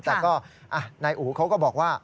แต่ก็นายอู๋เขาก็บอกว่า